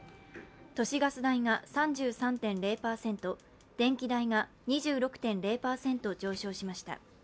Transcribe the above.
都市ガス代が３３．０％、電気代が２６．０％上昇しました。